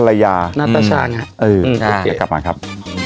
อล่ะก็บอกให้ปิดเบรกแล้วเขาเขียนมานี่ไง